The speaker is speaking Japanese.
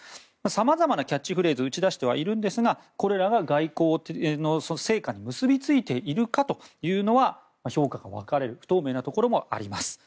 さまざまなキャッチフレーズを打ち出していますがこれらが外交の成果に結びついているかというのは評価が分かれる不透明なところもあります。